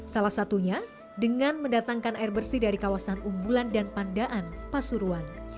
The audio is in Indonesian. salah satunya dengan mendatangkan air bersih dari kawasan umbulan dan pandaan pasuruan